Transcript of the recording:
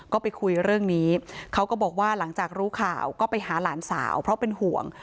ก็ไปคุยเรื่องนี้เขาก็บอกว่าหลังจากรู้ข่าวก็ไปหาหลานสาวเพราะเป็นห่วง